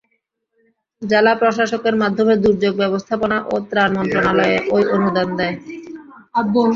জেলা প্রশাসকের মাধ্যমে দুর্যোগ ব্যবস্থাপনা ও ত্রাণ মন্ত্রণালয়ের ওই অনুদান দেয়।